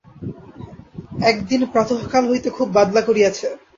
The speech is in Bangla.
একদিন প্রাতঃকাল হইতে খুব বাদলা করিয়াছে।